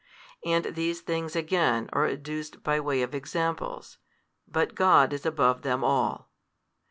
And these things again are adduced by way of examples, but God is above them all.